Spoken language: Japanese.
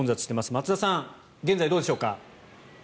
松田さん、現在どうでしょうか。